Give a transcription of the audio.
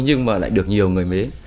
nhưng mà lại được nhiều người mấy